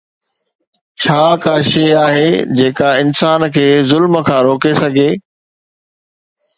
ڇا ڪا شيءِ آهي جيڪا انسان کي ظلم کان روڪي سگهي؟